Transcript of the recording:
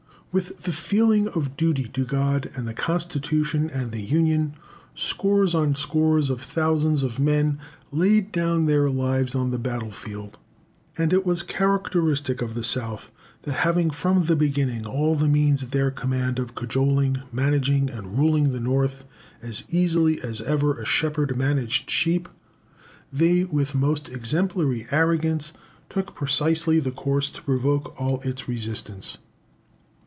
With the feeling of duty to God and the Constitution and the Union, scores on scores of thousands of men laid down their lives on the battle field. And it was characteristic of the South that, having from the beginning all the means at their command of cajoling, managing, and ruling the North, as easily as ever a shepherd managed sheep, they, with most exemplary arrogance, took precisely the course to provoke all its resistance.